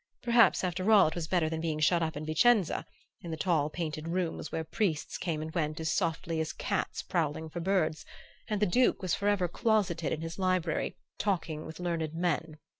Perhaps, after all, it was better than being shut up in Vicenza, in the tall painted rooms where priests came and went as softly as cats prowling for birds, and the Duke was forever closeted in his library, talking with learned men.